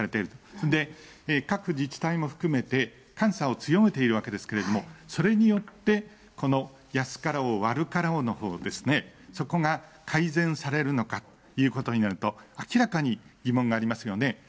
それで各自治体も含めて、監査を強めているわけですけれども、それによって、この安かろう悪かろうのほうですね、そこが改善されるのかということになると、明らかに疑問がありますよね。